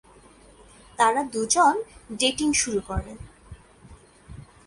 তারা দুজন ডেটিং শুরু করে।